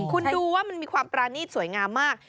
คุณดูว่ามันมีความปรานีตสวยงามมาก